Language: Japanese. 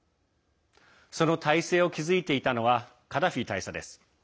その体制を築いていたのはカダフィ大佐です。